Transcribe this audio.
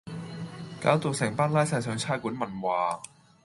搞到成班拉晒上差館問話